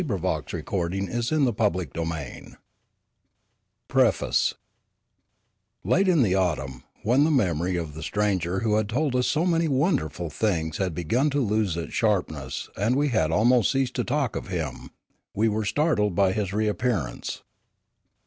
— The Last Fught 694 Epilogue 707 289 PREFACE LATE in the autumn, when the memory of the stranger who had told us so many wonderful things had begun to lose its sharpness and we had almost ceased to talk of him, we were startled by his re appearance.